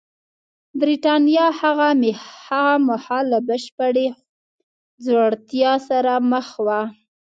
برېټانیا هغه مهال له بشپړې ځوړتیا سره مخ وه